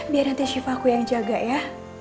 biar nanti chip aku yang jaga ya